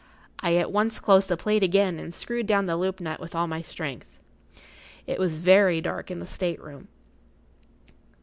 I at once closed the plate again and screwed down the loop nut with all my strength. It was very dark in the state room.